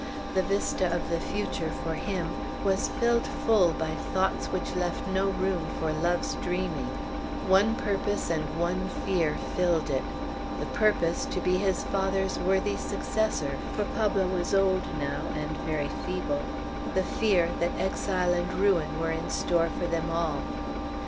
The vista of the future, for him, was filled full by thoughts which left no room for love's dreaming; one purpose and one fear filled it, the purpose to be his father's worthy successor, for Pablo was old now, and very feeble; the fear, that exile and ruin were in store for them all.